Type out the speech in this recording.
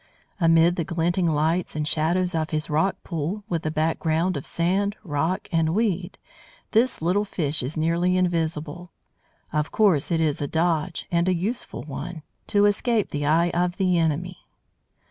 Amid the glinting lights and shadows of his rock pool, with a background of sand, rock, and weed, this little fish is nearly invisible. Of course it is a dodge, and a useful one, to escape the eye of the enemy!